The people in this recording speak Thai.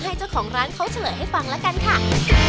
ให้เจ้าของร้านเขาเฉลยให้ฟังแล้วกันค่ะ